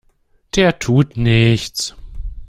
Der tut nichts!